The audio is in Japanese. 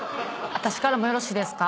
私もよろしいですか。